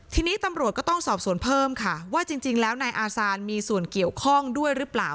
ทีนี้ตำรวจก็ต้องสอบสวนเพิ่มค่ะว่าจริงแล้วนายอาซานมีส่วนเกี่ยวข้องด้วยหรือเปล่า